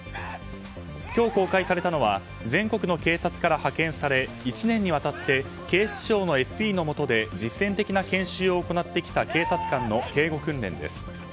今日、公開されたのは全国の警察から派遣され１年にわたって警視庁のＳＰのもとで実践的な研修を行ってきた警察官の警護訓練です。